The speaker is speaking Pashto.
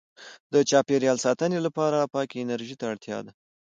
• د چاپېریال ساتنې لپاره پاکې انرژۍ ته اړتیا ده.